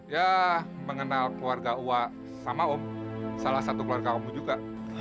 ya mengenal keluarga uwa sama om salah satu keluarga omku juga